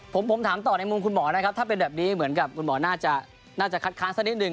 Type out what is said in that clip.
ผมถามต่อในมุมคุณหมอนะครับถ้าเป็นแบบนี้เหมือนกับคุณหมอน่าจะน่าจะคัดค้านสักนิดหนึ่ง